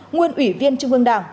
nguyên ủy viên trung ương đảng